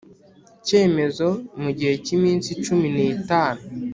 cyemezo mu gihe cy iminsi cumi n itanu